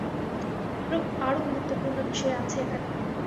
আরো গুরুত্বপূর্ণ বিষয় আছে এখানে।